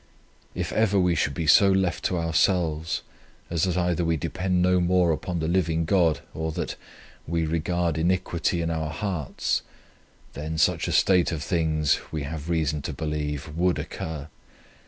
If ever we should be so left to ourselves, as that either we depend no more upon the living God, or that 'we regard iniquity in our hearts,' then such a state of things, we have reason to believe, would occur.